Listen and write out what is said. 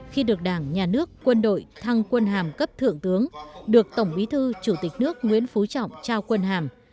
khi được đảng nhà nước quân đội thăng quân hàm cấp thượng tướng được tổng bí thư chủ tịch nước nguyễn phú trọng trao quân hàm